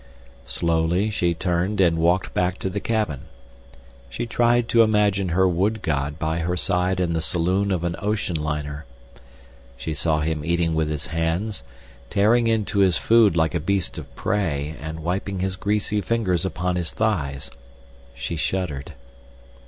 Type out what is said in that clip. Slowly she turned and walked back to the cabin. She tried to imagine her wood god by her side in the saloon of an ocean liner. She saw him eating with his hands, tearing his food like a beast of prey, and wiping his greasy fingers upon his thighs. She shuddered.